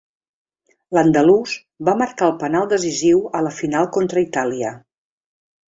L'andalús va marcar el penal decisiu a la final contra Itàlia.